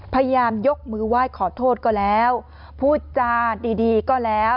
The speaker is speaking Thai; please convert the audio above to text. พยายามยกมือไหว้ขอโทษก็แล้วพูดจาดีดีก็แล้ว